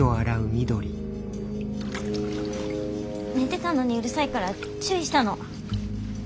寝てたのにうるさいから注意したの。